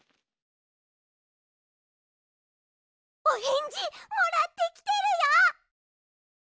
おへんじもらってきてるよ。